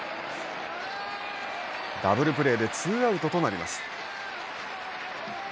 ダブルプレーでツーアウトとなります。